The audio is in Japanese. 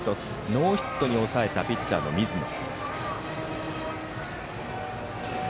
ノーヒットに抑えたピッチャーの水野。